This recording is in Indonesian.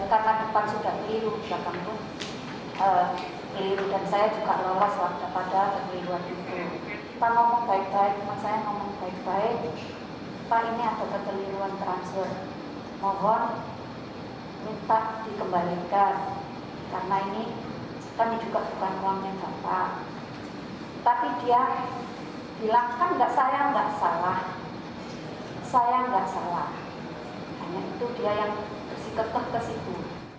hanya itu dia yang bersikukuh ke situ